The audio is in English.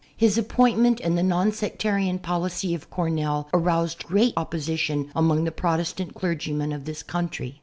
His appointment and the non sectarian policy of Cornell aroused great oppo sition among the Protestant clergymen of this country.